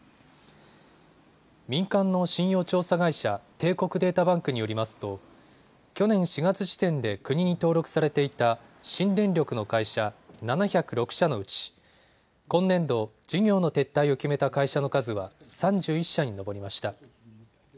民間の信用調査会社、帝国データバンクによりますと去年４月時点で国に登録されていた新電力の会社７０６社のうち今年度、事業の撤退を決めた会社の数は３１社に上りました。